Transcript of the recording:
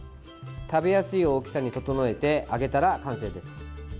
食べやすい大きさに整えて揚げたら完成です。